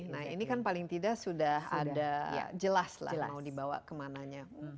nah ini kan paling tidak sudah ada jelas lah mau dibawa kemananya